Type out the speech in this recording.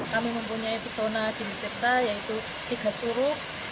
kami mempunyai pesona di petirta yaitu tiga suruk